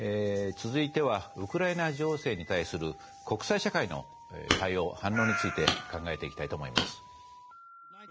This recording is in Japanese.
続いてはウクライナ情勢に対する国際社会の対応反応について考えていきたいと思います。